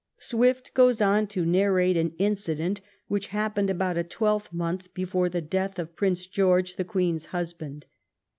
Swift goes on to narrate an incident which happened about a twelvemonth before the death of Prince George, the Queen's husband.